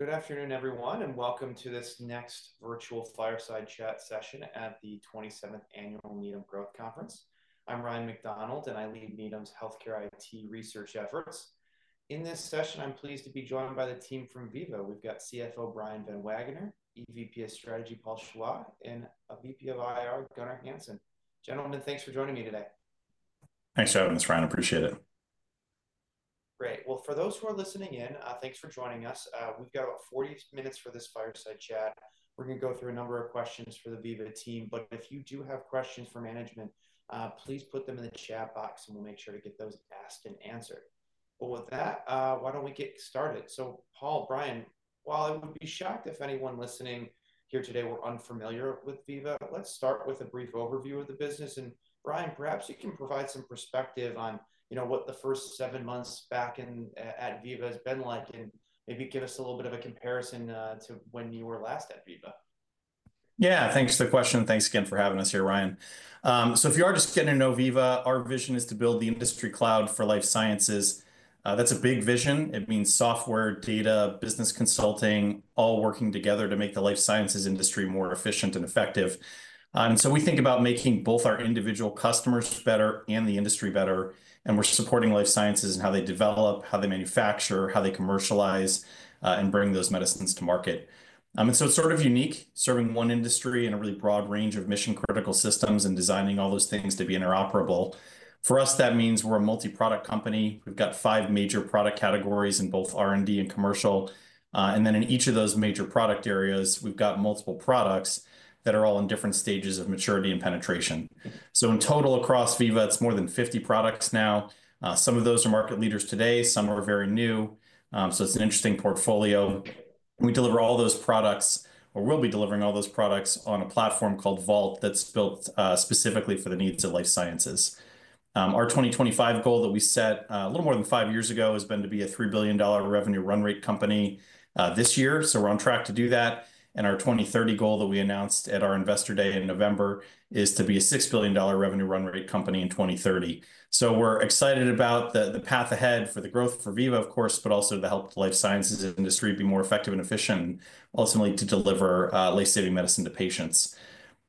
Good afternoon, everyone, and welcome to this next virtual fireside chat session at the 27th Annual Needham Growth Conference. I'm Ryan MacDonald, and I lead Needham's healthcare IT research efforts. In this session, I'm pleased to be joined by the team from Veeva. We've got CFO Brian Van Wagener, EVP of Strategy Paul Shawah, and VP of IR Gunnar Hansen. Gentlemen, thanks for joining me today. Thanks, having us. Ryan, appreciate it. Great. Well, for those who are listening in, thanks for joining us. We've got about 40 minutes for this fireside chat. We're going to go through a number of questions for the Veeva team, but if you do have questions for management, please put them in the chat box, and we'll make sure to get those asked and answered. Well, with that, why don't we get started? So, Paul, Brian, while I would be shocked if anyone listening here today were unfamiliar with Veeva, let's start with a brief overview of the business. And Brian, perhaps you can provide some perspective on what the first seven months back at Veeva has been like, and maybe give us a little bit of a comparison to when you were last at Veeva. Yeah, thanks for the question. Thanks again for having us here, Ryan. So if you are just getting to know Veeva, our vision is to build the industry cloud for life sciences. That's a big vision. It means software, data, business consulting, all working together to make the life sciences industry more efficient and effective. And so we think about making both our individual customers better and the industry better. And we're supporting life sciences in how they develop, how they manufacture, how they commercialize, and bring those medicines to market. And so it's sort of unique, serving one industry and a really broad range of mission-critical systems and designing all those things to be interoperable. For us, that means we're a multi-product company. We've got five major product categories in both R&D and Commercial. And then in each of those major product areas, we've got multiple products that are all in different stages of maturity and penetration. So in total, across Veeva, it's more than 50 products now. Some of those are market leaders today. Some are very new. So it's an interesting portfolio. We deliver all those products, or will be delivering all those products, on a platform called Vault that's built specifically for the needs of life sciences. Our 2025 goal that we set a little more than five years ago has been to be a $3 billion revenue run rate company this year. So we're on track to do that. And our 2030 goal that we announced at our Investor Day in November is to be a $6 billion revenue run rate company in 2030. We're excited about the path ahead for the growth for Veeva, of course, but also to help the life sciences industry be more effective and efficient, and ultimately to deliver life-saving medicine to patients.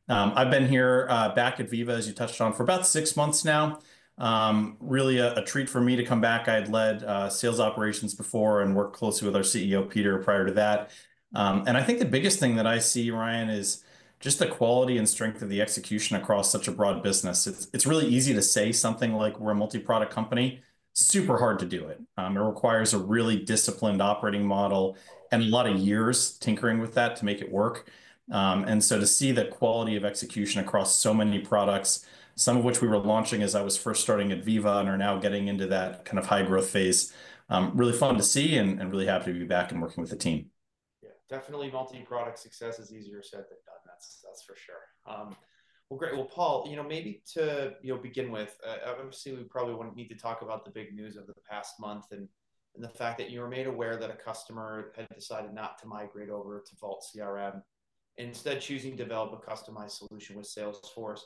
I've been here back at Veeva, as you touched on, for about six months now. Really a treat for me to come back. I had led sales operations before and worked closely with our CEO, Peter, prior to that. I think the biggest thing that I see, Ryan, is just the quality and strength of the execution across such a broad business. It's really easy to say something like we're a multi-product company. It's super hard to do it. It requires a really disciplined operating model and a lot of years tinkering with that to make it work. And so, to see the quality of execution across so many products, some of which we were launching as I was first starting at Veeva and are now getting into that kind of high growth phase, really fun to see and really happy to be back and working with the team. Yeah, definitely multi-product success is easier said than done. That's for sure. Well, great. Well, Paul, you know, maybe to begin with, obviously, we probably wouldn't need to talk about the big news over the past month and the fact that you were made aware that a customer had decided not to migrate over to Vault CRM and instead choosing to develop a customized solution with Salesforce.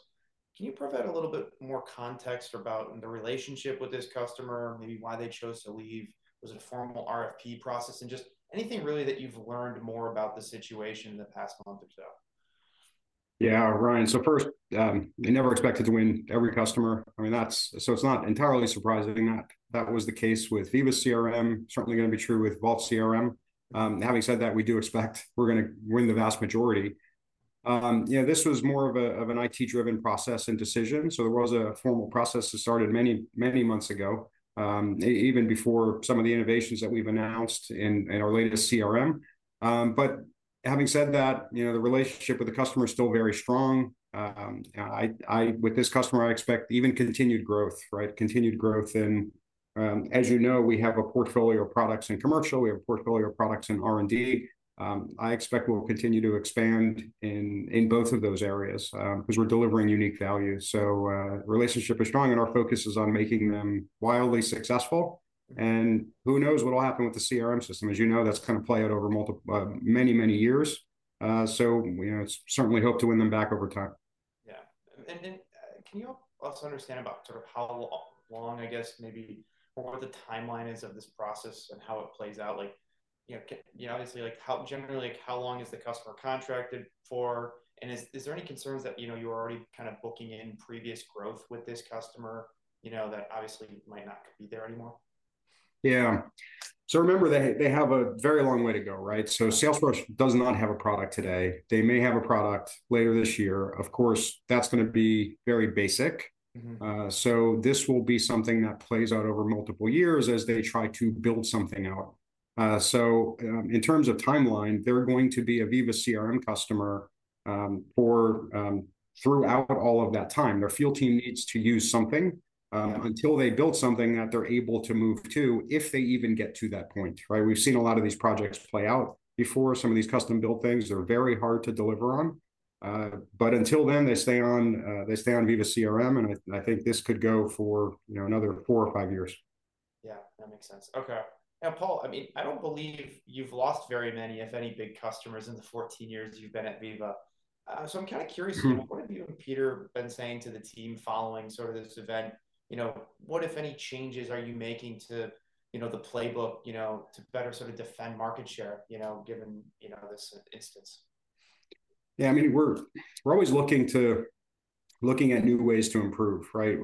Can you provide a little bit more context about the relationship with this customer, maybe why they chose to leave? Was it a formal RFP process? And just anything really that you've learned more about the situation in the past month or so? Yeah, Ryan, so first, they never expected to win every customer. I mean, so it's not entirely surprising that that was the case with Veeva's CRM. Certainly going to be true with Vault CRM. Having said that, we do expect we're going to win the vast majority. This was more of an IT-driven process and decision. So there was a formal process that started many, many months ago, even before some of the innovations that we've announced in our latest CRM. But having said that, the relationship with the customer is still very strong. With this customer, I expect even continued growth, right? Continued growth. And as you know, we have a portfolio of products in commercial. We have a portfolio of products in R&D. I expect we'll continue to expand in both of those areas because we're delivering unique value. The relationship is strong, and our focus is on making them wildly successful. Who knows what will happen with the CRM system? As you know, that's going to play out over many, many years. It's certainly our hope to win them back over time. Yeah. And can you also understand about sort of how long, I guess, maybe what the timeline is of this process and how it plays out? Obviously, generally, how long is the customer contracted for? And is there any concerns that you're already kind of booking in previous growth with this customer that obviously might not be there anymore? Yeah, so remember, they have a very long way to go, right, so Salesforce does not have a product today. They may have a product later this year. Of course, that's going to be very basic, so this will be something that plays out over multiple years as they try to build something out, so in terms of timeline, they're going to be a Veeva CRM customer throughout all of that time. Their field team needs to use something until they build something that they're able to move to if they even get to that point, right? We've seen a lot of these projects play out before. Some of these custom-built things are very hard to deliver on, but until then, they stay on Veeva CRM, and I think this could go for another four or five years. Yeah, that makes sense. Okay. Now, Paul, I mean, I don't believe you've lost very many, if any, big customers in the 14 years you've been at Veeva. So I'm kind of curious, what have you and Peter been saying to the team following sort of this event? What, if any, changes are you making to the playbook to better sort of defend market share given this instance? Yeah, I mean, we're always looking at new ways to improve, right?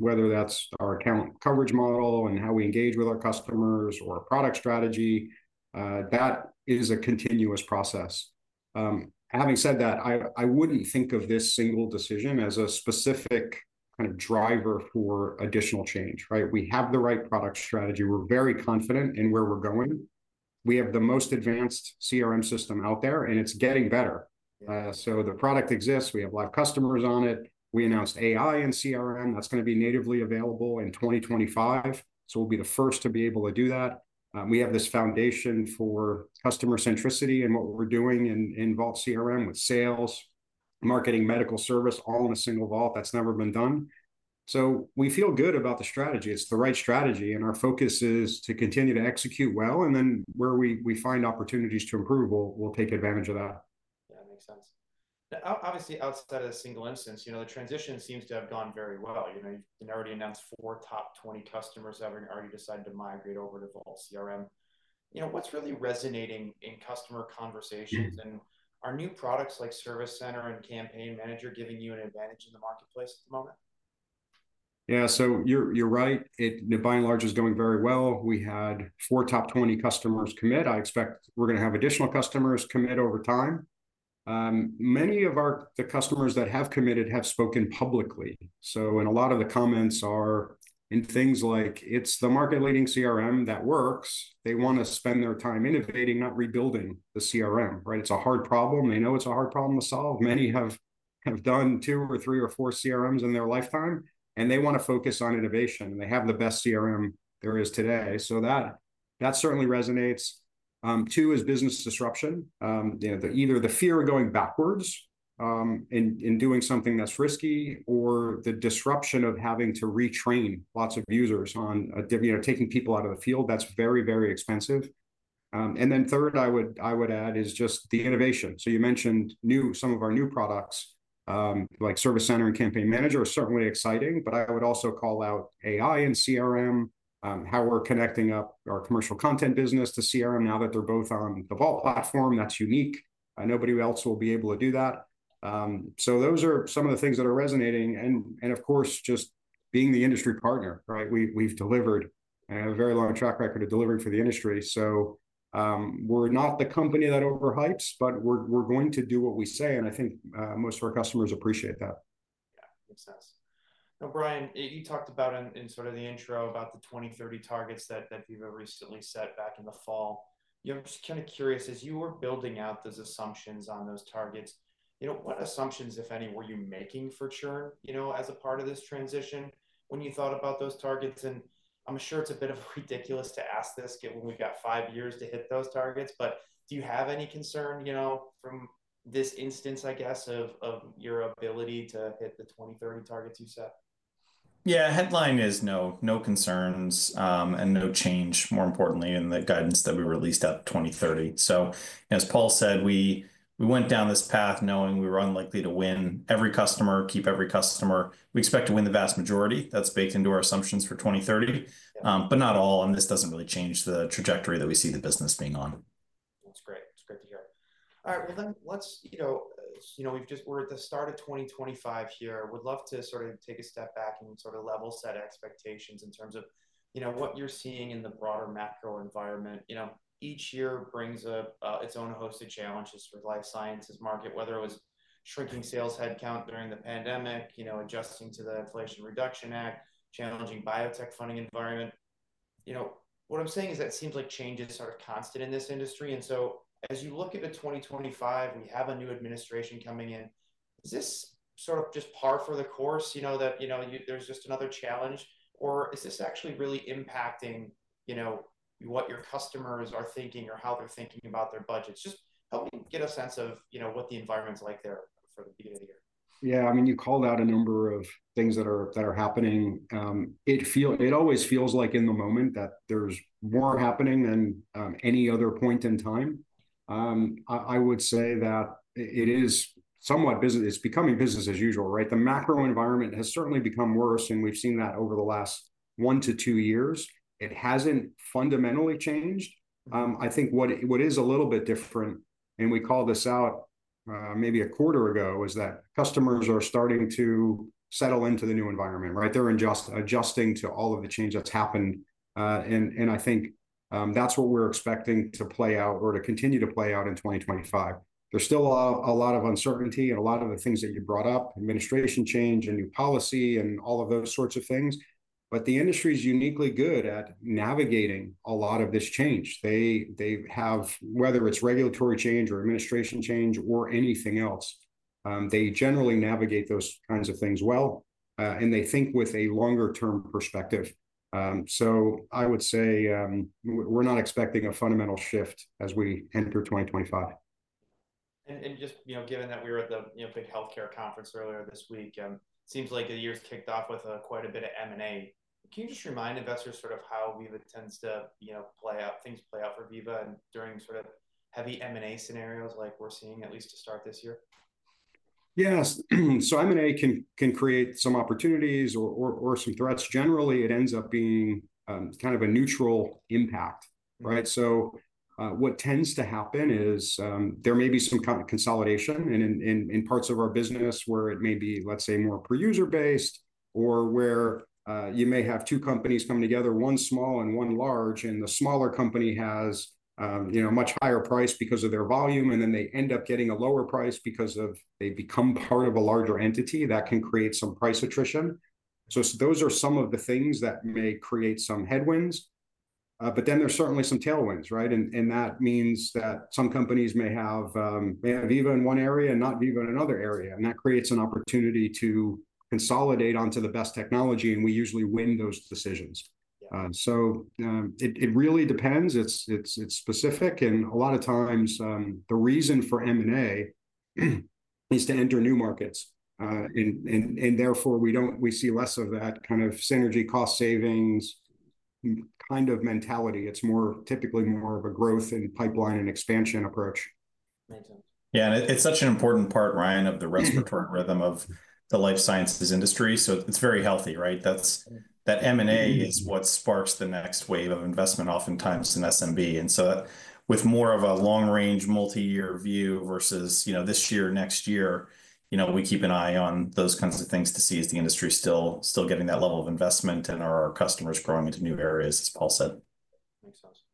Whether that's our account coverage model and how we engage with our customers or our product strategy, that is a continuous process. Having said that, I wouldn't think of this single decision as a specific kind of driver for additional change, right? We have the right product strategy. We're very confident in where we're going. We have the most advanced CRM system out there, and it's getting better. So the product exists. We have live customers on it. We announced AI in CRM. That's going to be natively available in 2025. So we'll be the first to be able to do that. We have this foundation for customer centricity and what we're doing in Vault CRM with sales, marketing, medical service, all in a single vault. That's never been done. So we feel good about the strategy. It's the right strategy. And our focus is to continue to execute well. And then where we find opportunities to improve, we'll take advantage of that. Yeah, that makes sense. Obviously, outside of the single instance, the transition seems to have gone very well. You already announced four top 20 customers having already decided to migrate over to Vault CRM. What's really resonating in customer conversations? And are new products like Service Center and Campaign Manager giving you an advantage in the marketplace at the moment? Yeah, so you're right. By and large, it's going very well. We had four top 20 customers commit. I expect we're going to have additional customers commit over time. Many of the customers that have committed have spoken publicly. So a lot of the comments are in things like, "It's the market-leading CRM that works." They want to spend their time innovating, not rebuilding the CRM, right? It's a hard problem. They know it's a hard problem to solve. Many have done two or three or four CRMs in their lifetime, and they want to focus on innovation. They have the best CRM there is today. So that certainly resonates. Two is business disruption. Either the fear of going backwards and doing something that's risky or the disruption of having to retrain lots of users on taking people out of the field. That's very, very expensive. And then third, I would add, is just the innovation. So you mentioned some of our new products like Service Center and Campaign Manager are certainly exciting. But I would also call out AI and CRM, how we're connecting up our commercial content business to CRM now that they're both on the Vault platform. That's unique. Nobody else will be able to do that. So those are some of the things that are resonating. And of course, just being the industry partner, right? We've delivered a very long track record of delivering for the industry. So we're not the company that overhypes, but we're going to do what we say. And I think most of our customers appreciate that. Yeah, makes sense. Now, Brian, you talked about in sort of the intro about the 2030 targets that Veeva recently set back in the fall. Just kind of curious, as you were building out those assumptions on those targets, what assumptions, if any, were you making for churn as a part of this transition when you thought about those targets? And I'm sure it's a bit ridiculous to ask this when we've got five years to hit those targets, but do you have any concern in this instance, I guess, of your ability to hit the 2030 targets you set? Yeah, headline is no concerns and no change, more importantly, in the guidance that we released at 2030. So as Paul said, we went down this path knowing we were unlikely to win every customer, keep every customer. We expect to win the vast majority. That's baked into our assumptions for 2030, but not all. And this doesn't really change the trajectory that we see the business being on. That's great. It's great to hear. All right. Well, then we're at the start of 2025 here. I would love to sort of take a step back and sort of level set expectations in terms of what you're seeing in the broader macro environment. Each year brings its own host of challenges for life sciences market, whether it was shrinking sales headcount during the pandemic, adjusting to the Inflation Reduction Act, challenging biotech funding environment. What I'm saying is that seems like changes are constant in this industry. And so as you look at the 2025, we have a new administration coming in. Is this sort of just par for the course that there's just another challenge? Or is this actually really impacting what your customers are thinking or how they're thinking about their budgets? Just help me get a sense of what the environment's like there for the beginning of the year. Yeah. I mean, you called out a number of things that are happening. It always feels like in the moment that there's more happening than any other point in time. I would say that it is somewhat busy. It's becoming business as usual, right? The macro environment has certainly become worse, and we've seen that over the last one to two years. It hasn't fundamentally changed. I think what is a little bit different, and we called this out maybe a quarter ago, is that customers are starting to settle into the new environment, right? They're adjusting to all of the change that's happened. And I think that's what we're expecting to play out or to continue to play out in 2025. There's still a lot of uncertainty and a lot of the things that you brought up, administration change and new policy and all of those sorts of things. But the industry is uniquely good at navigating a lot of this change. Whether it's regulatory change or administration change or anything else, they generally navigate those kinds of things well. And they think with a longer-term perspective. So I would say we're not expecting a fundamental shift as we enter 2025. Just given that we were at the big healthcare conference earlier this week, it seems like the year's kicked off with quite a bit of M&A. Can you just remind investors sort of how Veeva tends to play out, things play out for Veeva during sort of heavy M&A scenarios like we're seeing at least to start this year? Yeah. So M&A can create some opportunities or some threats. Generally, it ends up being kind of a neutral impact, right? So what tends to happen is there may be some kind of consolidation in parts of our business where it may be, let's say, more per-user basis or where you may have two companies coming together, one small and one large, and the smaller company has a much higher price because of their volume, and then they end up getting a lower price because they become part of a larger entity that can create some price attrition. So those are some of the things that may create some headwinds. But then there's certainly some tailwinds, right? And that means that some companies may have Veeva in one area and not Veeva in another area. And that creates an opportunity to consolidate onto the best technology, and we usually win those decisions. So it really depends. It's specific. And a lot of times, the reason for M&A is to enter New Markets. And therefore, we see less of that kind of synergy cost savings kind of mentality. It's typically more of a growth and pipeline and expansion approach. Makes sense. Yeah. And it's such an important part, Ryan, of the respiratory rhythm of the life sciences industry. So it's very healthy, right? That M&A is what sparks the next wave of investment, oftentimes in SMB. And so with more of a long-range multi-year view versus this year, next year, we keep an eye on those kinds of things to see is the industry still getting that level of investment and are our customers growing into new areas, as Paul said. Makes sense.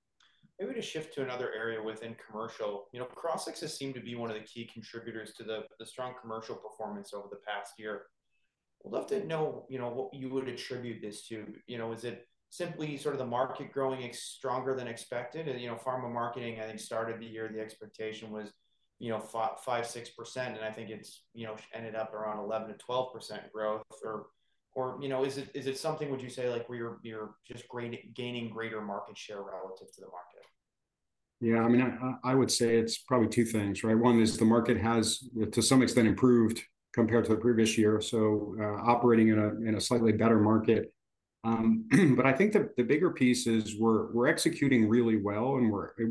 Maybe to shift to another area within commercial, Crossix has seemed to be one of the key contributors to the strong commercial performance over the past year. I'd love to know what you would attribute this to. Is it simply sort of the market growing stronger than expected? Pharma marketing, I think, started the year. The expectation was 5%-6%. And I think it's ended up around 11%-12% growth. Or is it something, would you say, like you're just gaining greater market share relative to the market? Yeah. I mean, I would say it's probably two things, right? One is the market has, to some extent, improved compared to the previous year. So operating in a slightly better market. But I think the bigger piece is we're executing really well. And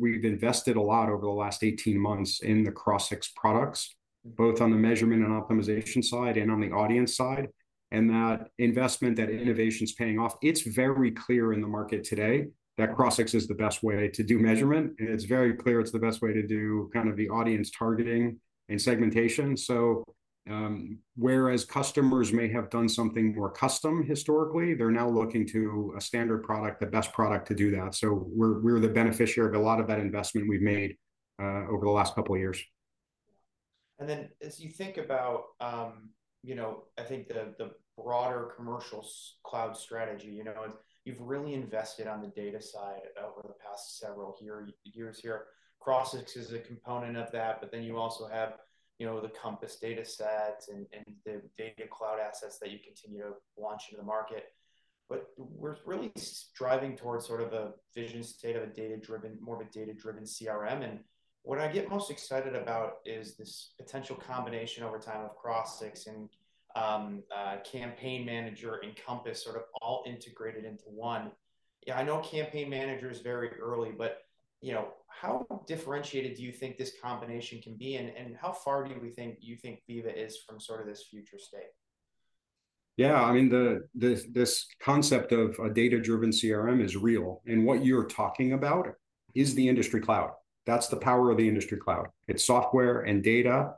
we've invested a lot over the last 18 months in the Crossix products, both on the measurement and optimization side and on the audience side. And that investment, that innovation's paying off. It's very clear in the market today that Crossix is the best way to do measurement. And it's very clear it's the best way to do kind of the audience targeting and segmentation. So whereas customers may have done something more custom historically, they're now looking to a standard product, the best product to do that. So we're the beneficiary of a lot of that investment we've made over the last couple of years. And then as you think about, I think, the broader Commercial Cloud strategy, you've really invested on the data side over the past several years here. Crossix is a component of that. But then you also have the Compass data sets and the Data Cloud assets that you continue to launch into the market. But we're really driving towards sort of a vision state of a data-driven, more of a data-driven CRM. And what I get most excited about is this potential combination over time of Crossix and Campaign Manager and Compass sort of all integrated into one. Yeah, I know Campaign Manager is very early, but how differentiated do you think this combination can be? And how far do you think Veeva is from sort of this future state? Yeah. I mean, this concept of a data-driven CRM is real. And what you're talking about is the industry cloud. That's the power of the industry cloud. It's software and data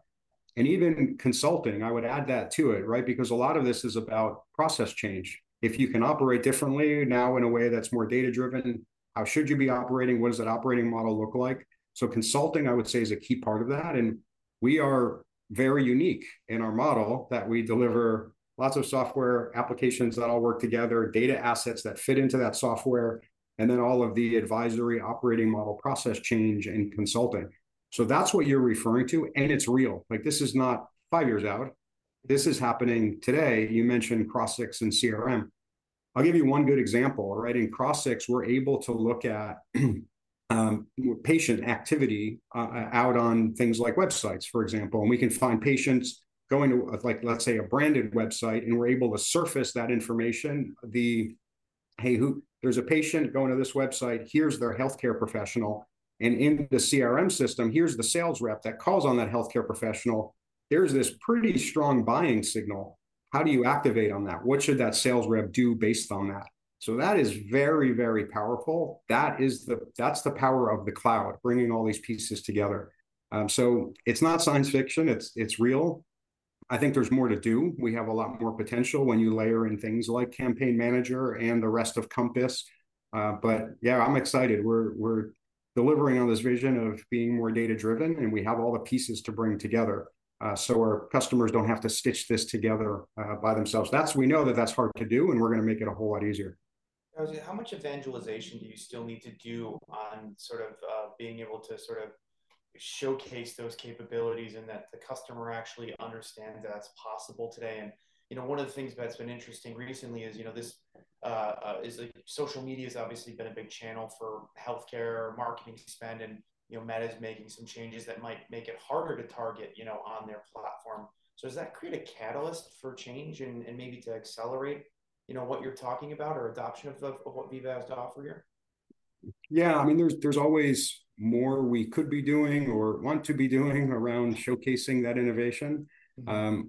and even consulting, I would add that to it, right? Because a lot of this is about process change. If you can operate differently now in a way that's more data-driven, how should you be operating? What does that operating model look like? So consulting, I would say, is a key part of that. And we are very unique in our model that we deliver lots of software applications that all work together, data assets that fit into that software, and then all of the advisory operating model process change and consulting. So that's what you're referring to. And it's real. This is not five years out. This is happening today. You mentioned Crossix and CRM. I'll give you one good example. In Crossix, we're able to look at patient activity out on things like websites, for example. We can find patients going to, let's say, a branded website, and we're able to surface that information. ["Hey, there's a patient going to this website. Here's their healthcare professional."] In the CRM system, here's the sales rep that calls on that healthcare professional. There's this pretty strong buying signal. How do you activate on that? What should that sales rep do based on that? That is very, very powerful. That's the power of the cloud, bringing all these pieces together. It's not science fiction. It's real. I think there's more to do. We have a lot more potential when you layer in things like Campaign Manager and the rest of Compass. Yeah, I'm excited. We're delivering on this vision of being more data-driven, and we have all the pieces to bring together so our customers don't have to stitch this together by themselves. We know that that's hard to do, and we're going to make it a whole lot easier. How much evangelization do you still need to do on sort of being able to sort of showcase those capabilities and that the customer actually understands that it's possible today, and one of the things that's been interesting recently is social media has obviously been a big channel for healthcare marketing spend, and Meta is making some changes that might make it harder to target on their platform, so does that create a catalyst for change and maybe to accelerate what you're talking about or adoption of what Veeva has to offer here? Yeah. I mean, there's always more we could be doing or want to be doing around showcasing that innovation.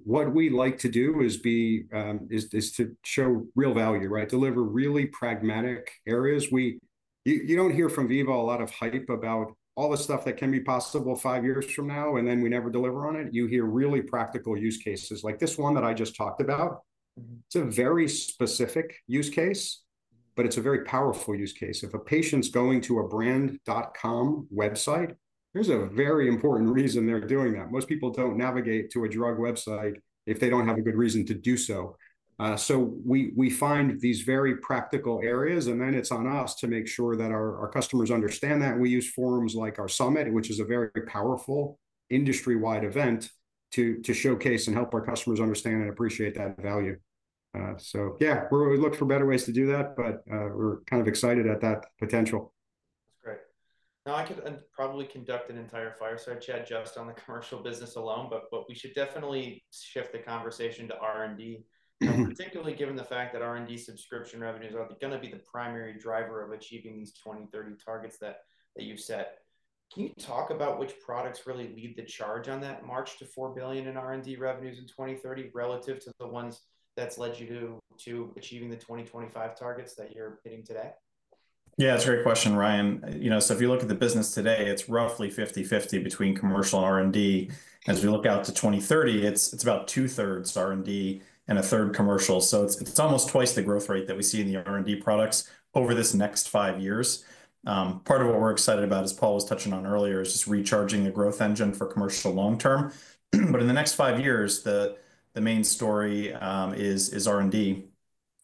What we like to do is to show real value, right? Deliver really pragmatic areas. You don't hear from Veeva a lot of hype about all the stuff that can be possible five years from now, and then we never deliver on it. You hear really practical use cases like this one that I just talked about. It's a very specific use case, but it's a very powerful use case. If a patient's going to a Brand.com website, there's a very important reason they're doing that. Most people don't navigate to a drug website if they don't have a good reason to do so. So we find these very practical areas, and then it's on us to make sure that our customers understand that. We use forums like our Summit, which is a very powerful industry-wide event to showcase and help our customers understand and appreciate that value. So yeah, we look for better ways to do that, but we're kind of excited at that potential. That's great. Now, I could probably conduct an entire fireside chat just on the commercial business alone, but we should definitely shift the conversation to R&D, particularly given the fact that R&D subscription revenues are going to be the primary driver of achieving these 2030 targets that you've set. Can you talk about which products really lead the charge on that march to $4 billion in R&D revenues in 2030 relative to the ones that's led you to achieving the 2025 targets that you're hitting today? Yeah. That's a great question, Ryan. So if you look at the business today, it's roughly 50/50 between commercial R&D. As we look out to 2030, it's about two-thirds R&D and a third commercial. So it's almost twice the growth rate that we see in the R&D products over this next five years. Part of what we're excited about, as Paul was touching on earlier, is just recharging the growth engine for commercial long-term. But in the next five years, the main story is R&D.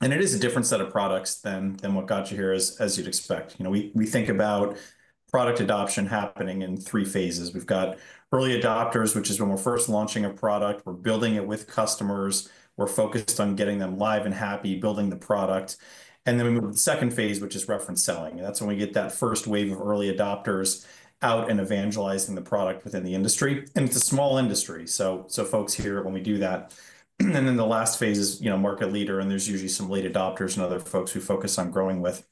And it is a different set of products than what got you here, as you'd expect. We think about product adoption happening in three phases. We've got early adopters, which is when we're first launching a product. We're building it with customers. We're focused on getting them live and happy, building the product. And then we move to the second phase, which is reference selling. That's when we get that first wave of early adopters out and evangelizing the product within the industry. It's a small industry. Folks hear it when we do that. Then the last phase is market leader. There's usually some late adopters and other folks we focus on growing with.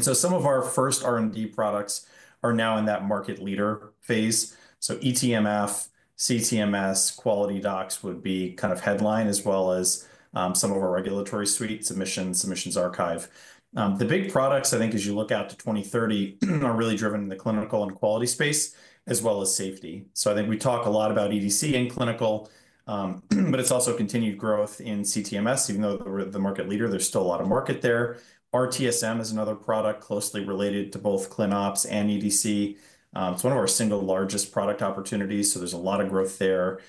Some of our first R&D products are now in that market leader phase. eTMF, CTMS, QualityDocs would be kind of headline as well as some of our regulatory suite, Submissions, Submissions Archive. The big products, I think, as you look out to 2030, are really driven in the clinical and quality space as well as safety. I think we talk a lot about EDC and clinical, but it's also continued growth in CTMS, even though they're the market leader. There's still a lot of market there. RTSM is another product closely related to both ClinOps and EDC. It's one of our single largest product opportunities. So there's a lot of growth there.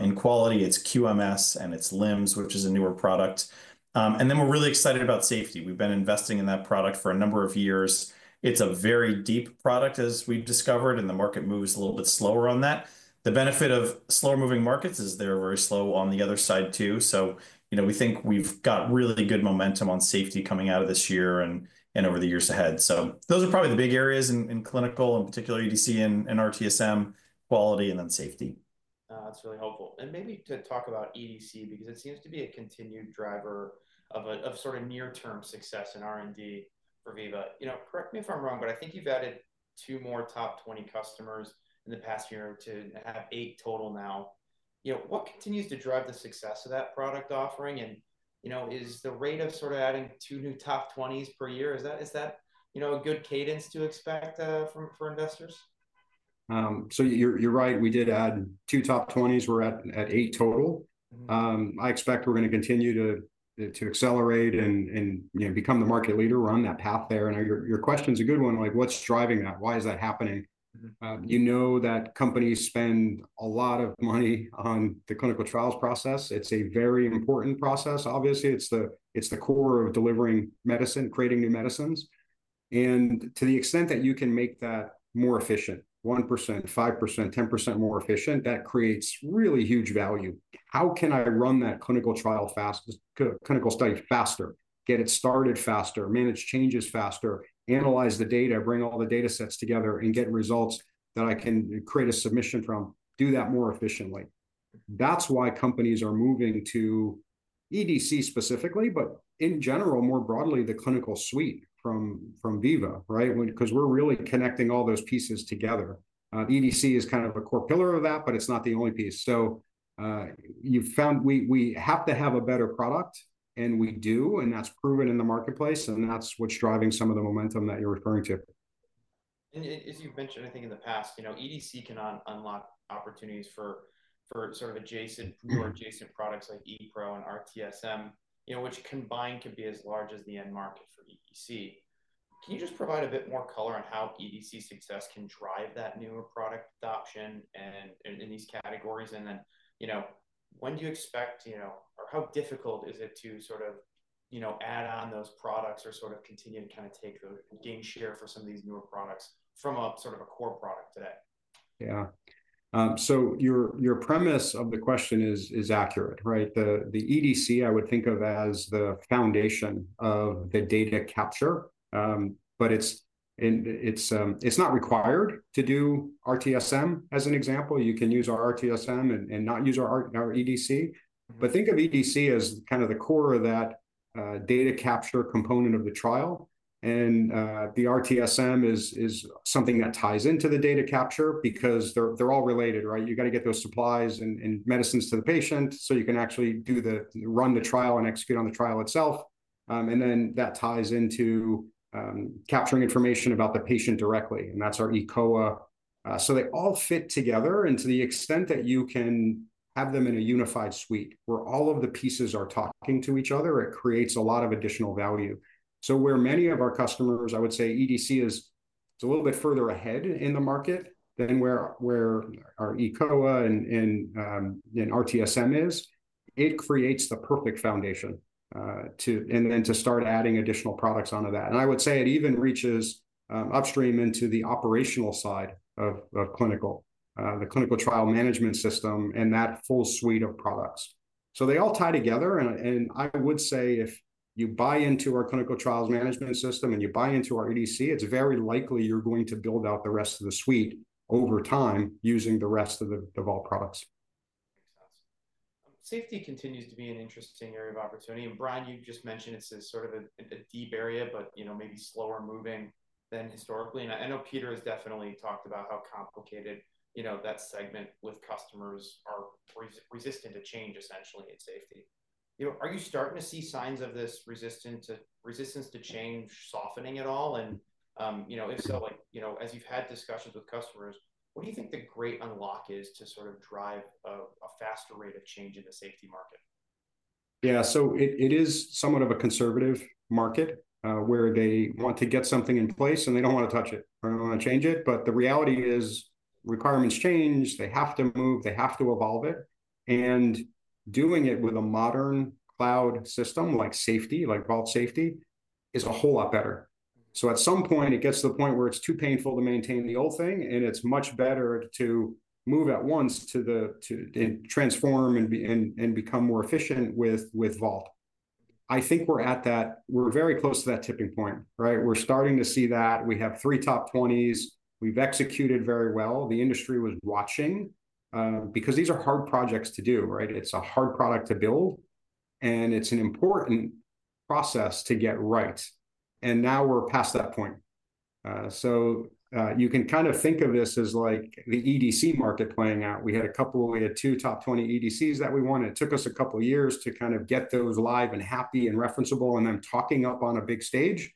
In quality, it's QMS and it's LIMS, which is a newer product. And then we're really excited about safety. We've been investing in that product for a number of years. It's a very deep product, as we've discovered, and the market moves a little bit slower on that. The benefit of slower-moving markets is they're very slow on the other side too. So we think we've got really good momentum on safety coming out of this year and over the years ahead. So those are probably the big areas in clinical, in particular EDC and RTSM, quality, and then safety. That's really helpful, and maybe to talk about EDC, because it seems to be a continued driver of sort of near-term success in R&D for Veeva. Correct me if I'm wrong, but I think you've added two more top 20 customers in the past year to have eight total now. What continues to drive the success of that product offering? And is the rate of sort of adding two new top 20s per year, is that a good cadence to expect for investors? So you're right. We did add two top 20s. We're at eight total. I expect we're going to continue to accelerate and become the market leader, run that path there. And your question's a good one. What's driving that? Why is that happening? You know that companies spend a lot of money on the clinical trials process. It's a very important process. Obviously, it's the core of delivering medicine, creating new medicines. And to the extent that you can make that more efficient, 1%, 5%, 10% more efficient, that creates really huge value. How can I run that clinical trial fast, clinical study faster, get it started faster, manage changes faster, analyze the data, bring all the data sets together, and get results that I can create a submission from, do that more efficiently? That's why companies are moving to EDC specifically, but in general, more broadly, the clinical suite from Veeva, right? Because we're really connecting all those pieces together. EDC is kind of a core pillar of that, but it's not the only piece. So we have to have a better product, and we do. And that's proven in the marketplace. And that's what's driving some of the momentum that you're referring to. And as you've mentioned, I think in the past, EDC can unlock opportunities for sort of adjacent new or adjacent products like ePRO and RTSM, which combined could be as large as the end market for EDC. Can you just provide a bit more color on how EDC success can drive that newer product adoption in these categories? And then when do you expect, or how difficult is it to sort of add on those products or sort of continue to kind of take the gain share for some of these newer products from sort of a core product today? Yeah. So your premise of the question is accurate, right? The EDC, I would think of as the foundation of the data capture. But it's not required to do RTSM, as an example. You can use our RTSM and not use our EDC. But think of EDC as kind of the core of that data capture component of the trial. And the RTSM is something that ties into the data capture because they're all related, right? You got to get those supplies and medicines to the patient so you can actually run the trial and execute on the trial itself. And then that ties into capturing information about the patient directly. And that's our eCOA. So they all fit together and to the extent that you can have them in a unified suite where all of the pieces are talking to each other, it creates a lot of additional value. So, where many of our customers, I would say EDC is a little bit further ahead in the market than where our eCOA and RTSM is, it creates the perfect foundation and then to start adding additional products onto that. And I would say it even reaches upstream into the operational side of the clinical trial management system and that full suite of products. So they all tie together. And I would say if you buy into our clinical trials management system and you buy into our EDC, it's very likely you're going to build out the rest of the suite over time using the rest of the Vault products. Makes sense. Safety continues to be an interesting area of opportunity. And Brian, you just mentioned it's sort of a deep area, but maybe slower-moving than historically. And I know Peter has definitely talked about how complicated that segment with customers are resistant to change, essentially, in safety. Are you starting to see signs of this resistance to change softening at all? And if so, as you've had discussions with customers, what do you think the great unlock is to sort of drive a faster rate of change in the safety market? Yeah. So it is somewhat of a conservative market where they want to get something in place, and they don't want to touch it or they don't want to change it. But the reality is requirements change. They have to move. They have to evolve it. And doing it with a modern cloud system like Safety, like Vault Safety, is a whole lot better. So at some point, it gets to the point where it's too painful to maintain the old thing, and it's much better to move at once to transform and become more efficient with Vault. I think we're at that. We're very close to that tipping point, right? We're starting to see that. We have three top 20s. We've executed very well. The industry was watching because these are hard projects to do, right? It's a hard product to build, and it's an important process to get right, and now we're past that point, so you can kind of think of this as the EDC market playing out. We had two top 20 EDCs that we wanted. It took us a couple of years to kind of get those live and happy and referenceable and then talking up on a big stage,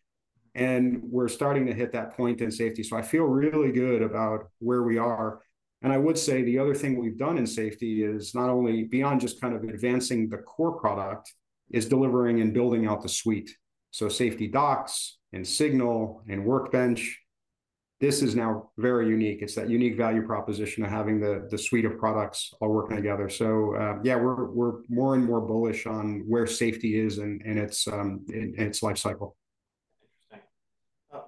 and we're starting to hit that point in safety, so I feel really good about where we are, and I would say the other thing we've done in safety is not only beyond just kind of advancing the core product, it's delivering and building out the suite, so SafetyDocs and Signal and Workbench; this is now very unique. It's that unique value proposition of having the suite of products all working together. Yeah, we're more and more bullish on where safety is and its lifecycle. Interesting.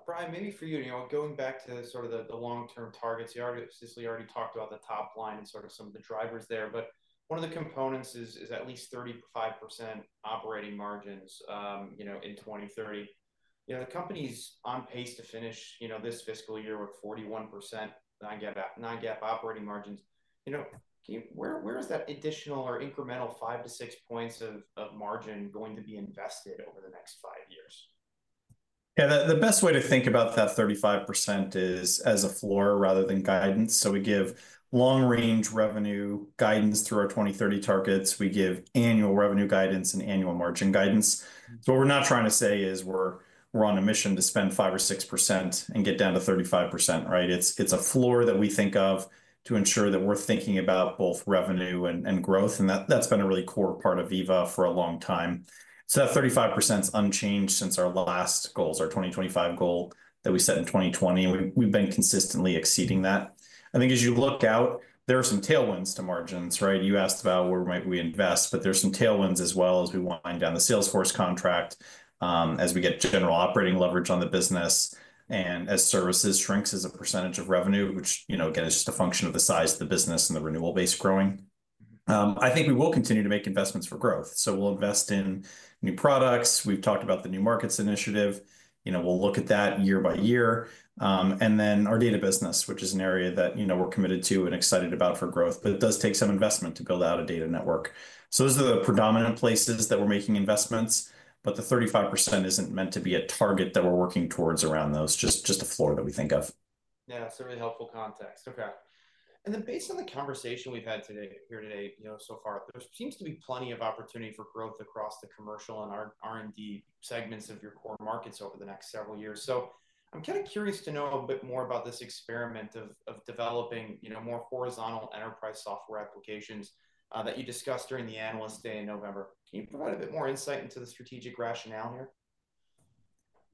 Brian, maybe for you, going back to sort of the long-term targets, you've obviously already talked about the top line and sort of some of the drivers there. But one of the components is at least 35% operating margins in 2030. The company's on pace to finish this fiscal year with 41% non-GAAP operating margins. Where is that additional or incremental five to six points of margin going to be invested over the next five years? Yeah. The best way to think about that 35% is as a floor rather than guidance. So we give long-range revenue guidance through our 2030 targets. We give annual revenue guidance and annual margin guidance. So what we're not trying to say is we're on a mission to spend 5% or 6% and get down to 35%, right? It's a floor that we think of to ensure that we're thinking about both revenue and growth. And that's been a really core part of Veeva for a long time. So that 35% is unchanged since our last goals, our 2025 goal that we set in 2020. We've been consistently exceeding that. I think as you look out, there are some tailwinds to margins, right? You asked about where might we invest, but there's some tailwinds as well as we wind down the Salesforce contract, as we get general operating leverage on the business, and as services shrinks as a percentage of revenue, which, again, is just a function of the size of the business and the renewal base growing. I think we will continue to make investments for growth. So we'll invest in new products. We've talked about the New Markets initiative. We'll look at that year by year. And then our data business, which is an area that we're committed to and excited about for growth, but it does take some investment to build out a data network. So those are the predominant places that we're making investments. But the 35% isn't meant to be a target that we're working towards around those, just a floor that we think of. Yeah. It's a really helpful context. Okay. And then based on the conversation we've had here today, so far, there seems to be plenty of opportunity for growth across the commercial and R&D segments of your core markets over the next several years. So I'm kind of curious to know a bit more about this experiment of developing more horizontal enterprise software applications that you discussed during the Analyst Day in November. Can you provide a bit more insight into the strategic rationale here?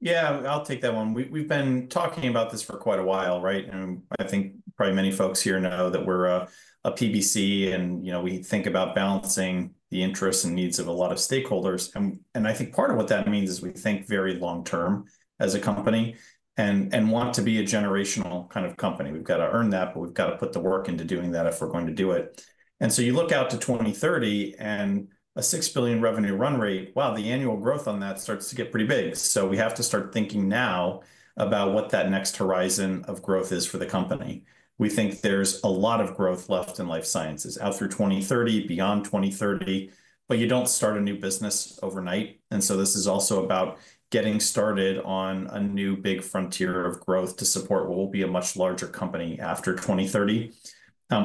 Yeah. I'll take that one. We've been talking about this for quite a while, right? And I think probably many folks here know that we're a PBC, and we think about balancing the interests and needs of a lot of stakeholders. And I think part of what that means is we think very long-term as a company and want to be a generational kind of company. We've got to earn that, but we've got to put the work into doing that if we're going to do it. And so you look out to 2030 and a $6 billion revenue run rate, wow, the annual growth on that starts to get pretty big. So we have to start thinking now about what that next horizon of growth is for the company. We think there's a lot of growth left in life sciences out through 2030, beyond 2030, but you don't start a new business overnight, and so this is also about getting started on a new big frontier of growth to support what will be a much larger company after 2030.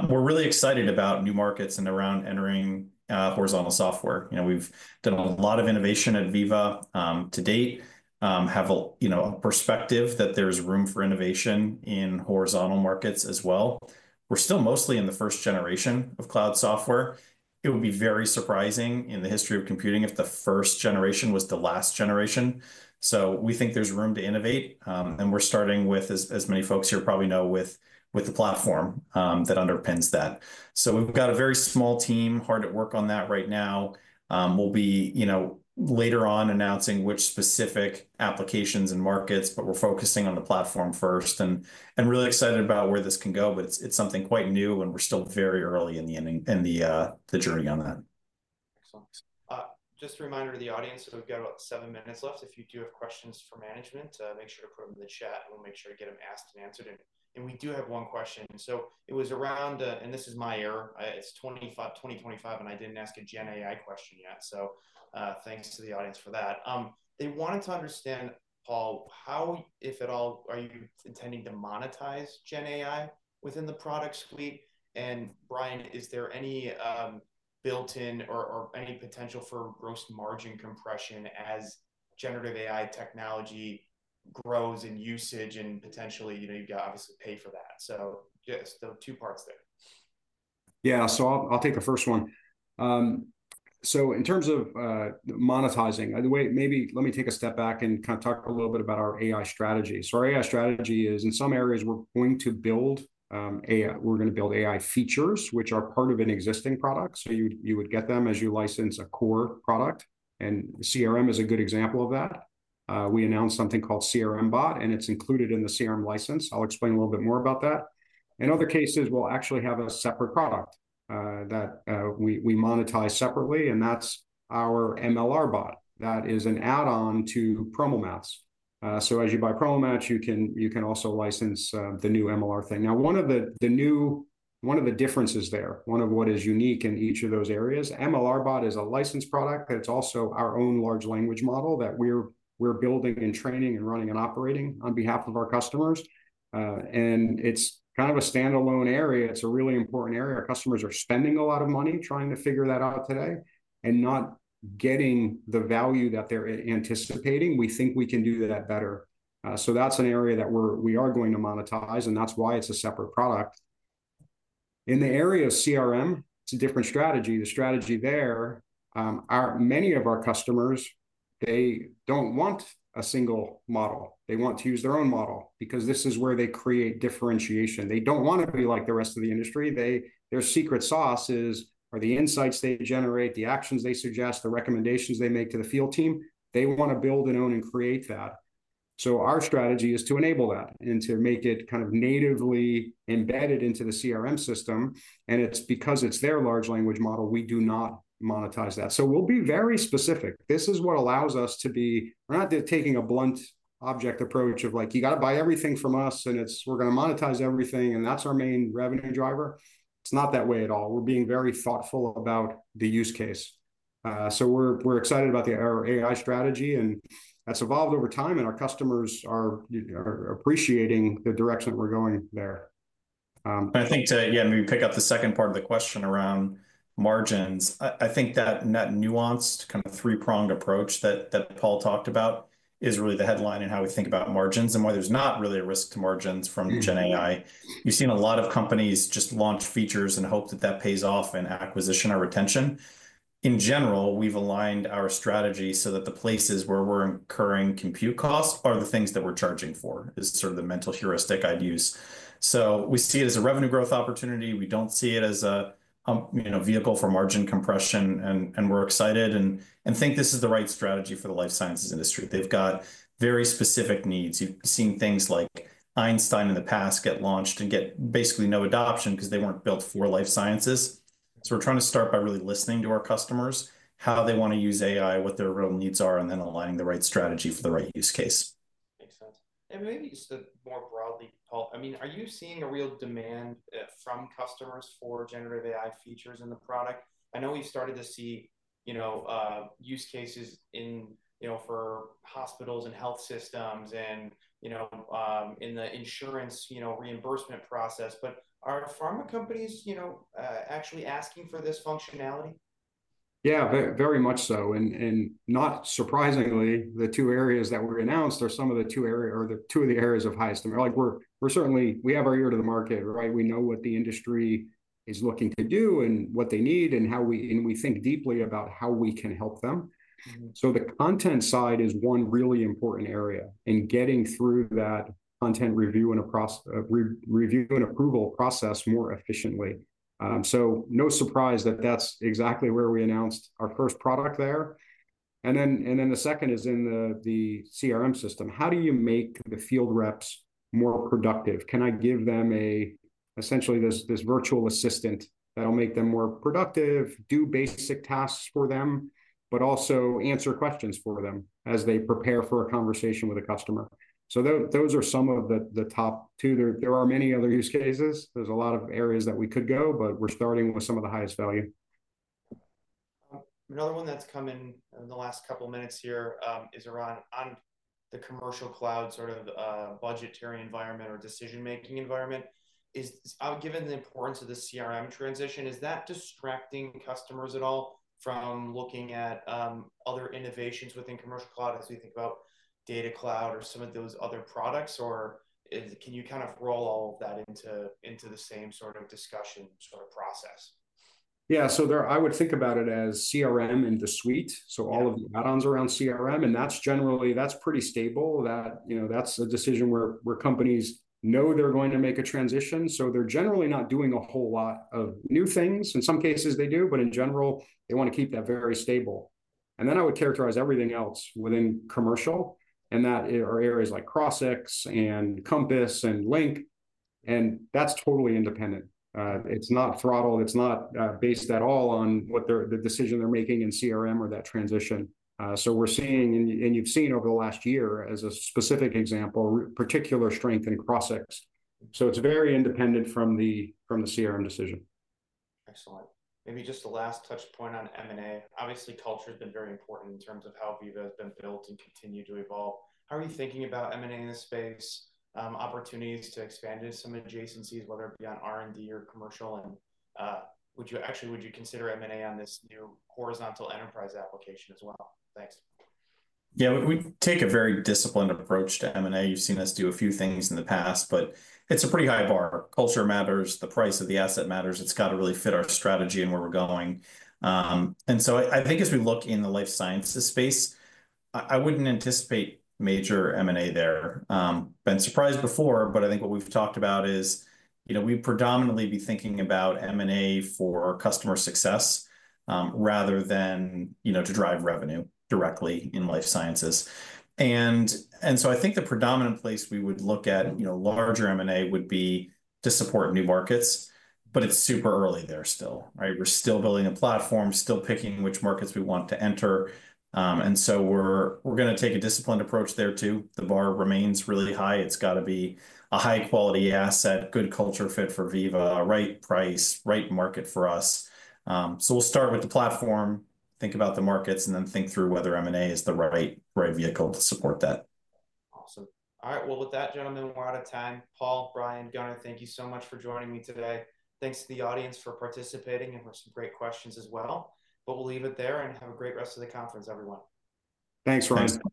We're really excited about New Markets and around entering horizontal software. We've done a lot of innovation at Veeva to date, have a perspective that there's room for innovation in horizontal markets as well. We're still mostly in the first generation of cloud software. It would be very surprising in the history of computing if the first generation was the last generation, so we think there's room to innovate, and we're starting with, as many folks here probably know, with the platform that underpins that, so we've got a very small team, hard at work on that right now. We'll be later on announcing which specific applications and markets, but we're focusing on the platform first and really excited about where this can go, but it's something quite new, and we're still very early in the journey on that. Excellent. Just a reminder to the audience, we've got about seven minutes left. If you do have questions for management, make sure to put them in the chat. We'll make sure to get them asked and answered. And we do have one question. So it was around, and this is my error, it's 2025, and I didn't ask a Gen AI question yet. So thanks to the audience for that. They wanted to understand, Paul, how, if at all, are you intending to monetize Gen AI within the product suite? And Brian, is there any built-in or any potential for gross margin compression as generative AI technology grows in usage and potentially you've got to obviously pay for that? So just the two parts there. Yeah. So I'll take the first one. So in terms of monetizing, maybe let me take a step back and kind of talk a little bit about our AI strategy. So our AI strategy is in some areas we're going to build AI features, which are part of an existing product. So you would get them as you license a core product. And CRM is a good example of that. We announced something called CRM Bot, and it's included in the CRM license. I'll explain a little bit more about that. In other cases, we'll actually have a separate product that we monetize separately, and that's our MLR Bot that is an add-on to PromoMats. So as you buy PromoMats, you can also license the new MLR thing. Now, one of the differences there, one of what is unique in each of those areas, MLR Bot is a licensed product, but it's also our own large language model that we're building and training and running and operating on behalf of our customers. And it's kind of a standalone area. It's a really important area. Customers are spending a lot of money trying to figure that out today and not getting the value that they're anticipating. We think we can do that better. So that's an area that we are going to monetize, and that's why it's a separate product. In the area of CRM, it's a different strategy. The strategy there, many of our customers, they don't want a single model. They want to use their own model because this is where they create differentiation. They don't want to be like the rest of the industry. Their secret sauce is the insights they generate, the actions they suggest, the recommendations they make to the field team. They want to build and own and create that. So our strategy is to enable that and to make it kind of natively embedded into the CRM system. And it's because it's their Large Language Model, we do not monetize that. So we'll be very specific. This is what allows us to be. We're not taking a blunt object approach of like, "You got to buy everything from us, and we're going to monetize everything," and that's our main revenue driver. It's not that way at all. We're being very thoughtful about the use case. So we're excited about our AI strategy, and that's evolved over time, and our customers are appreciating the direction that we're going there. I think to, yeah, maybe pick up the second part of the question around margins. I think that nuanced kind of three-pronged approach that Paul talked about is really the headline in how we think about margins and why there's not really a risk to margins from Gen AI. You've seen a lot of companies just launch features and hope that that pays off in acquisition or retention. In general, we've aligned our strategy so that the places where we're incurring compute costs are the things that we're charging for is sort of the mental heuristic I'd use. So we see it as a revenue growth opportunity. We don't see it as a vehicle for margin compression, and we're excited and think this is the right strategy for the life sciences industry. They've got very specific needs. You've seen things like Einstein in the past get launched and get basically no adoption because they weren't built for life sciences. So we're trying to start by really listening to our customers, how they want to use AI, what their real needs are, and then aligning the right strategy for the right use case. Makes sense, and maybe just more broadly, Paul, I mean, are you seeing a real demand from customers for generative AI features in the product? I know we've started to see use cases for hospitals and health systems and in the insurance reimbursement process, but are pharma companies actually asking for this functionality? Yeah, very much so. And not surprisingly, the two areas that were announced are some of the two areas or the two of the areas of highest demand. We have our ear to the market, right? We know what the industry is looking to do and what they need and how we think deeply about how we can help them. So the content side is one really important area in getting through that content review and approval process more efficiently. So no surprise that that's exactly where we announced our first product there. And then the second is in the CRM system. How do you make the field reps more productive? Can I give them essentially this virtual assistant that'll make them more productive, do basic tasks for them, but also answer questions for them as they prepare for a conversation with a customer? So those are some of the top two. There are many other use cases. There's a lot of areas that we could go, but we're starting with some of the highest value. Another one that's come in in the last couple of minutes here is around the Commercial Cloud sort of budgetary environment or decision-making environment. Given the importance of the CRM transition, is that distracting customers at all from looking at other innovations within Commercial Cloud as we think about Data Cloud or some of those other products? Or can you kind of roll all of that into the same sort of discussion sort of process? Yeah. So I would think about it as CRM and the suite, so all of the add-ons around CRM. That's pretty stable. That's a decision where companies know they're going to make a transition. So they're generally not doing a whole lot of new things. In some cases, they do, but in general, they want to keep that very stable. Then I would characterize everything else within commercial and that are areas like Crossix and Compass and Link, and that's totally independent. It's not throttled. It's not based at all on the decision they're making in CRM or that transition. So we're seeing, and you've seen over the last year as a specific example, particular strength in Crossix. So it's very independent from the CRM decision. Excellent. Maybe just a last touch point on M&A. Obviously, culture has been very important in terms of how Veeva has been built and continued to evolve. How are you thinking about M&A in this space, opportunities to expand into some adjacencies, whether it be on R&D or commercial? And actually, would you consider M&A on this new horizontal enterprise application as well? Thanks. Yeah. We take a very disciplined approach to M&A. You've seen us do a few things in the past, but it's a pretty high bar. Culture matters. The price of the asset matters. It's got to really fit our strategy and where we're going. And so I think as we look in the life sciences space, I wouldn't anticipate major M&A there. Been surprised before, but I think what we've talked about is we'd predominantly be thinking about M&A for customer success rather than to drive revenue directly in life sciences. And so I think the predominant place we would look at larger M&A would be to support New Markets, but it's super early there still, right? We're still building a platform, still picking which markets we want to enter. And so we're going to take a disciplined approach there too. The bar remains really high. It's got to be a high-quality asset, good culture fit for Veeva, right price, right market for us. So we'll start with the platform, think about the markets, and then think through whether M&A is the right vehicle to support that. Awesome. All right. Well, with that, gentlemen, we're out of time. Paul, Brian, Gunnar, thank you so much for joining me today. Thanks to the audience for participating and for some great questions as well. But we'll leave it there and have a great rest of the conference, everyone. Thanks, Ryan.